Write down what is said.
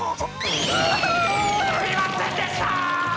すみませんでした！